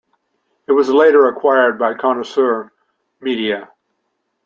It was later acquired by Connoisseur Media.